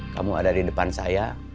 kamu ada di depan saya